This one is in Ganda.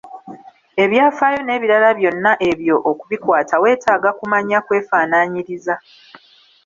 Ebyafaayo n'ebirala byonna ebyo okubikwata weetaaga kumanya kwefanaanyiriza.